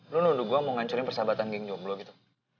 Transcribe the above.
lo nunduk gue mau ngancurin persahabatan geng jomblo gitu